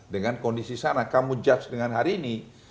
dengan kondisi sana kamu judge dengan hari ini